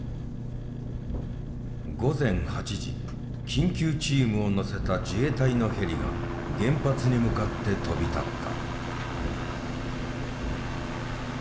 午前８時緊急チームを乗せた自衛隊のヘリが原発に向かって飛び立った。